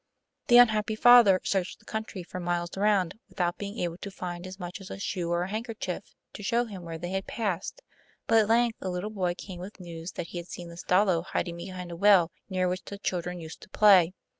The unhappy father searched the country for miles round without being able to find as much as a shoe or a handkerchief, to show him where they had passed, but at length a little boy came with news that he had seen the Stalo hiding behind a well, near which the children used to play.